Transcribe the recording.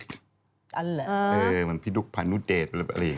เหมือนพี่ดุ๊กฝรูเดซ